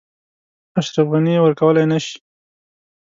اشرف غني یې ورکولای نه شي.